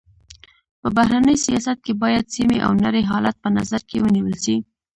په بهرني سیاست کي باید سيمي او نړۍ حالت په نظر کي ونیول سي.